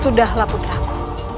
sudahlah putra ku